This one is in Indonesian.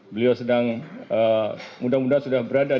beliau sedang mudah mudahan sudah berada